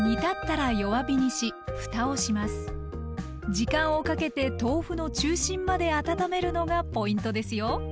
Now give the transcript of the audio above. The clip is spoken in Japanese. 時間をかけて豆腐の中心まで温めるのがポイントですよ。